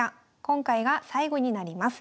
今回が最後になります。